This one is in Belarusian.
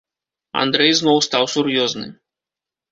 Андрэй зноў стаў сур'ёзны.